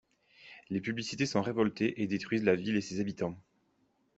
Les publicités sont révoltées et détruisent la ville et ses habitants.